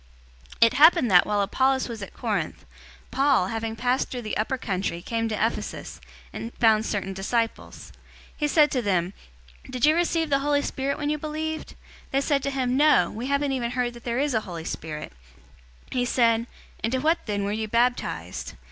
019:001 It happened that, while Apollos was at Corinth, Paul, having passed through the upper country, came to Ephesus, and found certain disciples. 019:002 He said to them, "Did you receive the Holy Spirit when you believed?" They said to him, "No, we haven't even heard that there is a Holy Spirit." 019:003 He said, "Into what then were you baptized?"